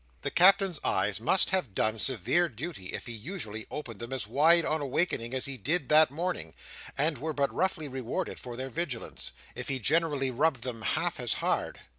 The Captain's eyes must have done severe duty, if he usually opened them as wide on awaking as he did that morning; and were but roughly rewarded for their vigilance, if he generally rubbed them half as hard.